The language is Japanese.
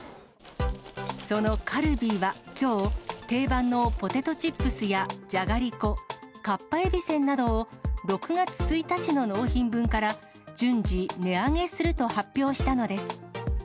そのカルビーはきょう、定番のポテトチップスや、じゃがりこ、かっぱえびせんなどを、６月１日の納品分から順次値上げすると発表したのです。